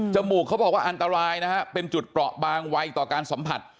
มูกเขาบอกว่าอันตรายนะฮะเป็นจุดเปราะบางวัยต่อการสัมผัส